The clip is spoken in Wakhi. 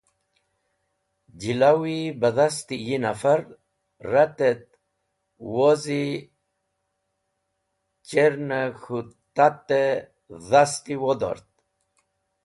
Jilawi beh dasti yi nafar ret et wozi chern k̃hũ tat-e dasti wodort.